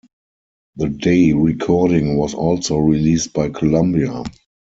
The Day recording was also released by Columbia.